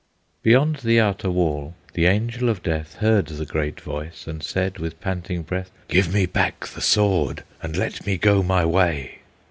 Beyond the outer wall the Angel of Death Heard the great voice, and said, with panting breath, "Give back the sword, and let me go my way."